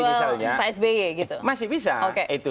misalnya jadi masih bisa jual pak sby gitu